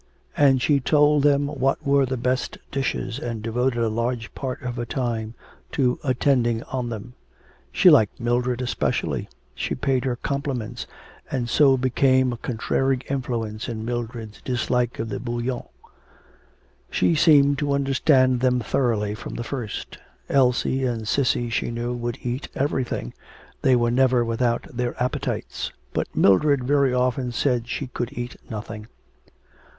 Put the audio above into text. And she told them what were the best dishes, and devoted a large part of her time to attending on them. She liked Mildred especially; she paid her compliments and so became a contrary influence in Mildred's dislike of the Bouillon. She seemed to understand them thoroughly from the first. Elsie and Cissy she knew would eat everything, they were never without their appetites, but Mildred very often said she could eat nothing.